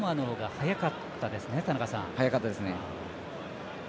速かったですね。